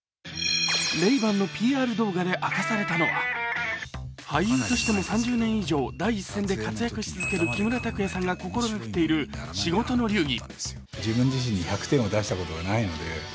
Ｒａｙ−ＢａｎのＰＲ動画で明かされたのは俳優としても３０年以上第一線で活躍し続ける木村拓哉さんが心掛けている仕事の流儀。